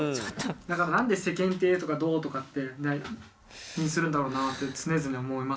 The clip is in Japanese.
だからなんで世間体とかどうとかって気にするんだろうなって常々思いますね。